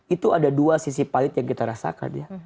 itu ada dua sisi pahit yang kita rasakan ya